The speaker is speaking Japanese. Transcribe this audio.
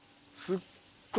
すっごい